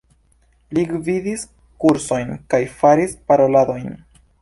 Li gvidis kursojn kaj faris paroladojn.